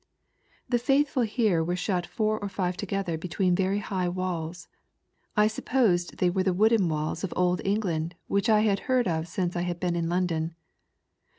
'' The faithful here were shut four or five together between very high walls, I supposed they were the wooden walls of Old England which I had heard of since I had been in London.